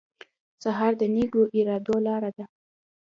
سهار د نیکو ارادو لاره ده.